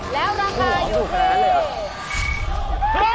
แล้วราคาอยู่ที่